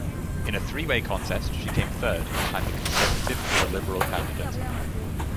In a three-way contest she came third, behind the Conservative and the Liberal candidate.